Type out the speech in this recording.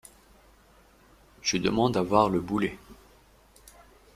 Je demande à voir le boulet!